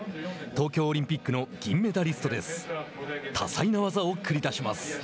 東京オリンピックの銀メダリストです。